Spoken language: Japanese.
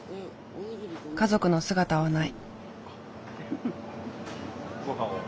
家族の姿はない。